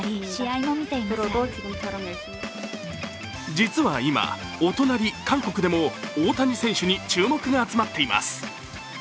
実は今、お隣・韓国でも大谷選手に注目が集まっています。